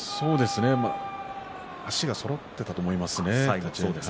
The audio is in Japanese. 足がそろっていたと思います。